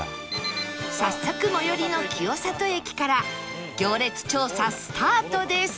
早速最寄りの清里駅から行列調査スタートです